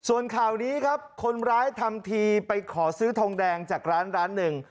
ส่วนข่าวนี้ครับคนร้ายทำทีไปขอซื้อทองแดงจากร้านร้านหนึ่ง